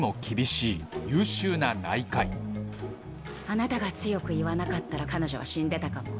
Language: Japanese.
あなたが強く言わなかったら彼女は死んでたかも。